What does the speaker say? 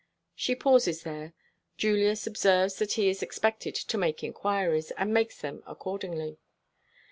She pauses there. Julius observes that he is expected to make inquiries, and makes them accordingly.